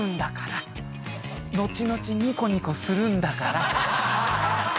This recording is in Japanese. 後々ニコニコするんだから。